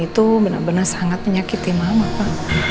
itu benar benar sangat menyakiti mama pak